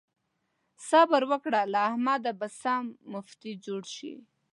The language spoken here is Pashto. صبر وکړه؛ له احمده به سم مفتي جوړ شي.